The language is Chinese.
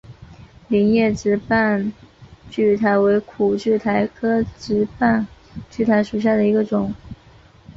菱叶直瓣苣苔为苦苣苔科直瓣苣苔属下的一个种。